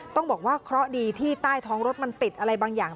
ต้องบอกว่าเคราะห์ดีที่ใต้ท้องรถมันติดอะไรบางอย่าง